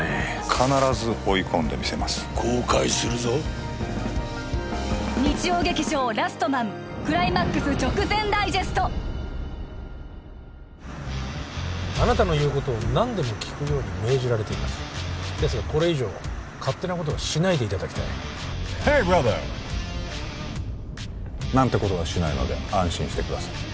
必ず追い込んで見せます後悔するぞあなたの言うことを何でも聞くように命じられていますですがこれ以上勝手なことはしないでいただきたいヘイブラザー！なんてことはしないので安心してください